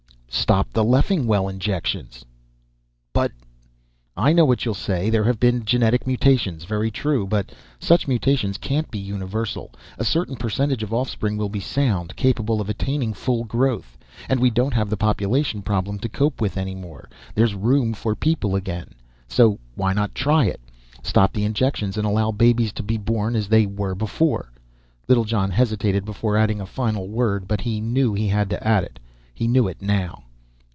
"Stop the Leffingwell injections!" "But " "I know what you'll say. There have been genetic mutations. Very true, but such mutations can't be universal. A certain percentage of offspring will be sound, capable of attaining full growth. And we don't have the population problem to cope with any more. There's room for people again. So why not try it? Stop the injections and allow babies to be born as they were before." Littlejohn hesitated before adding a final word, but he knew he had to add it; he knew it now.